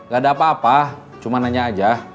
gak ada apa apa cuma nanya aja